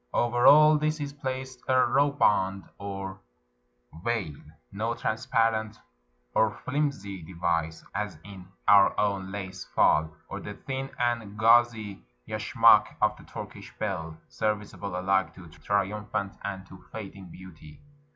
Over all this is placed a ruh band or veil — no transparent or flimsy device, as in our own lace "fall," or the thin and gauzy yashmak of the Turkish belle, serviceable alike to triumphant and to fading beauty.